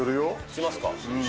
しますか？